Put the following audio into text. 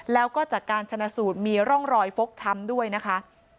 แล้วก็จากการชนะสูตรมีร่องรอยฟกช้ำด้วยนะคะ